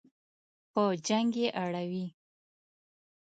په جنګ یې اړوي.